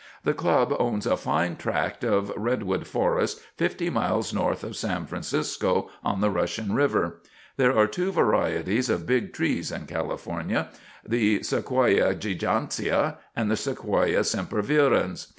The club owns a fine tract of redwood forest fifty miles north of San Francisco on the Russian River. There are two varieties of big trees in California: the Sequoia gigantea and the Sequoia sempervirens.